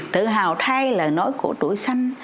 tự hào thay lời nói của tuổi xanh